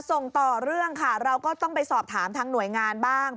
ส่งต่อเรื่องค่ะเราก็ต้องไปสอบถามทางหน่วยงานบ้าง